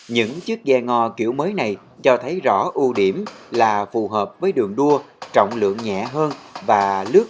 những chiếc ghe ngò kiểu mới này cho thấy rõ ưu điểm là phù hợp với đường đua trọng lượng nhẹ hơn và lướt